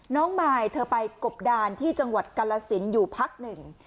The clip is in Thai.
น้องไมล์เธอไปกบดานที่จังหวัดกรรลศิลป์อยู่พักหนึ่ง